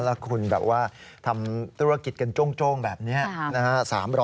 แล้วคุณแบบว่าทำธุรกิจกันโจ้งแบบนี้นะฮะ